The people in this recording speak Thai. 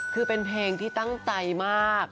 คือเป็นเพลงที่ตั้งใจมาก